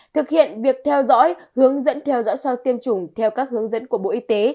thực hiện việc theo dõi hướng dẫn theo dõi sau tiêm chủng theo các hướng dẫn của bộ y tế